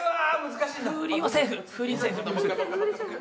風鈴はセーフ。